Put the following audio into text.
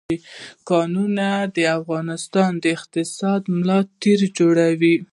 کانونه د افغانستان د اقتصاد ملا تیر جوړوي.